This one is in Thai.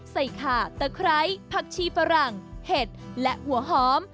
ใส่ขาตะไคร้ผักชีฝรั่งเห็ดและหัวหอม